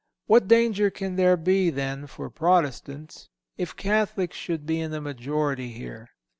What danger can there be, then, for Protestants, if Catholics should be in the majority here?